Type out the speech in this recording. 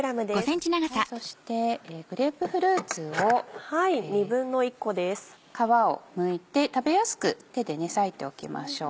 そしてグレープフルーツを皮をむいて食べやすく手で割いておきましょう。